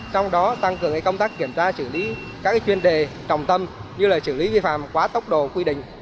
trong đó tăng cường công tác kiểm tra xử lý các chuyên đề trọng tâm như là xử lý vi phạm quá tốc độ quy định